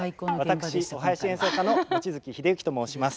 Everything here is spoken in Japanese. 私お囃子演奏家の望月秀幸と申します。